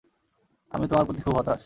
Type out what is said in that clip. আমি তোমার প্রতি খুব হতাশ।